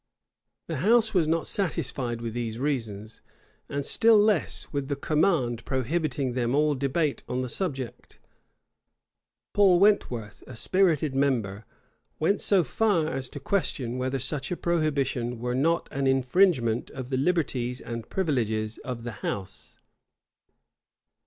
[*] The house was not satisfied with these reasons, and still less with the command prohibiting them all debate on the subject. Paul Wentworth, a spirited member, went so far as to question whether such a prohibition were not an infringement of the liberties and privileges of the house.